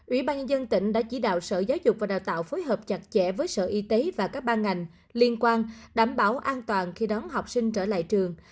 ủy ban nhân dân tỉnh đã chỉ đạo sở giáo dục và đào tạo phối hợp chặt chẽ với sở y tế và các ban ngành liên quan đảm bảo an toàn khi đón học sinh trở lại trường